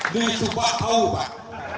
di subakbau pak